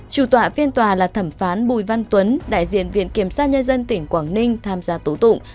chủ tọa phiên tòa là thẩm phán bùi văn tuấn đại diện viện kiểm sát nhân dân tỉnh quảng ninh tham gia tố tụng